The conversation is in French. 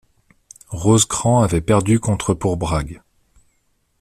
Rosecrans avait perdu contre pour Bragg.